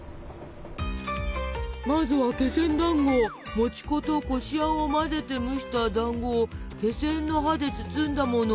まずはもち粉とこしあんを混ぜて蒸しただんごをけせんの葉で包んだもの。